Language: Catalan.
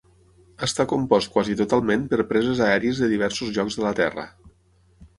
Està compost quasi totalment per preses aèries de diversos llocs de la Terra.